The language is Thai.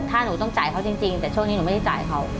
ถ้าหนูต้องจ่ายเขาจริงแต่ช่วงนี้หนูไม่ได้จ่ายเขา